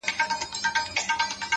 ما ويل ددې به هېرول نه وي زده؛